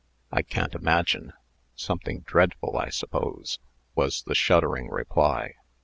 "I can't imagine. Something dreadful, I suppose," was the shuddering reply.